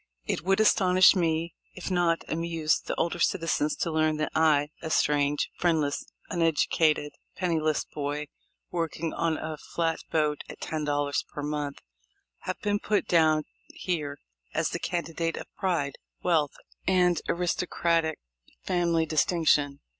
It would astonish if not amuse the older citizens to learn that I (a strange, friendless, unedutated, penniless boy, working on a flat boat at ten dollars per month) have been put down here as the candidate of pride, wealth, and aristo cratic family distinction.